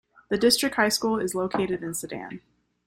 The district high school is located in Sedan.